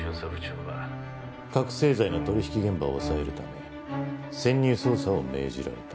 覚醒剤の取引現場を押さえるため潜入捜査を命じられた。